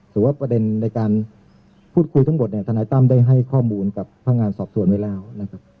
แต่ว่าประเด็นในการพูดคุยทั้งหมดเนี่ยทนายตั้มได้ให้ข้อมูลกับพนักงานสอบสวนไว้แล้วนะครับ